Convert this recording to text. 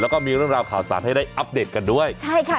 แล้วก็มีเรื่องราวข่าวสารให้ได้อัปเดตกันด้วยใช่ค่ะ